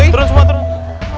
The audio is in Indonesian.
turun semua turun